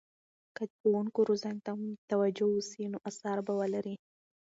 که د ښوونکو روزنې ته توجه وسي، نو اثر به ولري.